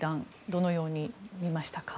どのように見ましたか？